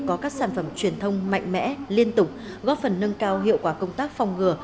có các sản phẩm truyền thông mạnh mẽ liên tục góp phần nâng cao hiệu quả công tác phòng ngừa